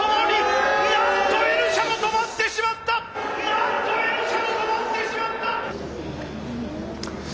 なんとＮ社も止まってしまった！